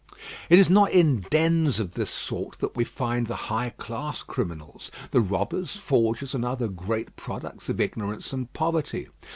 It is not in dens of this sort that we find the high class criminals the robbers, forgers, and other great products of ignorance and poverty.